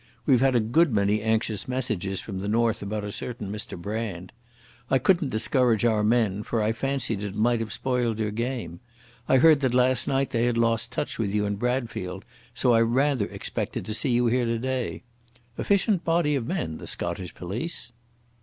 We've had a good many anxious messages from the north about a certain Mr Brand. I couldn't discourage our men, for I fancied it might have spoiled your game. I heard that last night they had lost touch with you in Bradfield, so I rather expected to see you here today. Efficient body of men the Scottish police."